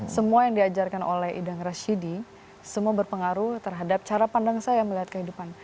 semua yang diajarkan oleh idang rashidi semua berpengaruh terhadap cara pandang saya melihat kehidupan